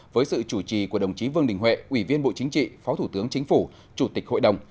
với sự chủ trì của đồng chí vương đình huệ ủy viên bộ chính trị phó thủ tướng chính phủ chủ tịch hội đồng